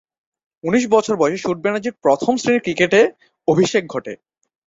উনিশ বছর বয়সে শুট ব্যানার্জী’র প্রথম-শ্রেণীর ক্রিকেটে অভিষেক ঘটে।